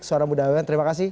suara muda awan terima kasih